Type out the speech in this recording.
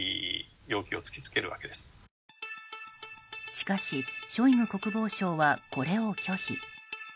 しかし、ショイグ国防相はこれを拒否。